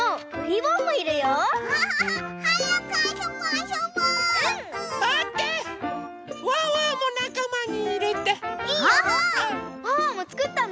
ワンワンもつくったの？